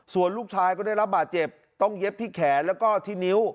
ส่วนลูกชายก็ได้รับบาดเจ็บต้องเย็บที่แขนแล้วก็ที่นิ้ว